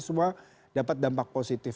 semua dapat dampak positif